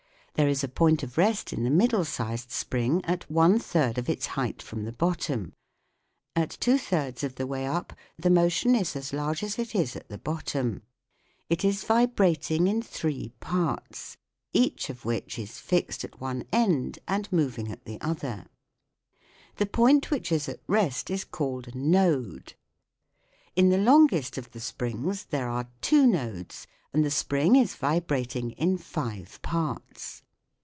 There is a point of rest in the middle sized spring at one third of its height from the bottom ; at two thirds of the way up the motion is as large as it is at the bottom. It is vibrating in three parts, each of which is fixed at one end and moving at 58 THE WORLD OF SOUND the other. The point which is at rest is called a node. In the longest of the springs there are two nodes, and the spring is vibrating in five parts.